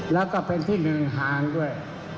แล้วก็เป็นที่หนึ่งห่างด้วย